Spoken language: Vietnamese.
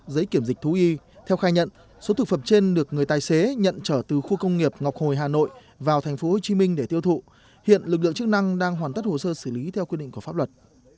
giấy kiểm dịch thú y theo khai nhận số thực phẩm trên được người tài xế nhận trở từ khu công nghiệp ngọc hồi hà nội vào tp hcm để tiêu thụ hiện lực lượng chức năng đang hoàn tất hồ sơ xử lý theo quy định của pháp luật